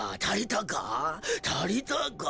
たりたか？